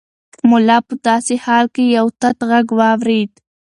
ملا په داسې حال کې یو تت غږ واورېد.